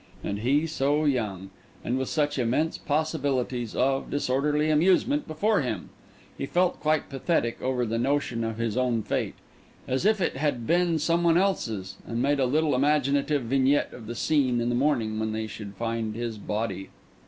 And he so young! and with such immense possibilities of disorderly amusement before him! He felt quite pathetic over the notion of his own fate, as if it had been some one else's, and made a little imaginative vignette of the scene in the morning when they should find his body.